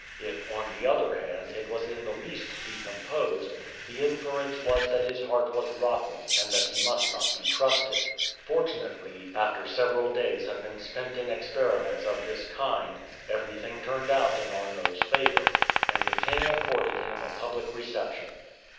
If, on the other hand, it was in the least decomposed, the inference was that his heart was rotten^ and that he must not be trusted. Fortunately, after several days had been vspent in experiments of this kind, everything turned out in Arnofs favour, and the king ac corded him a public reception.